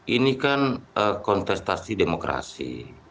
ini kan kontestasi demokrasi